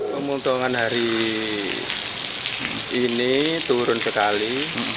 pemotongan hari ini turun sekali